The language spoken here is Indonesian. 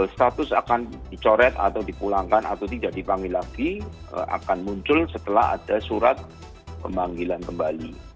status akan dicoret atau dipulangkan atau tidak dipanggil lagi akan muncul setelah ada surat pemanggilan kembali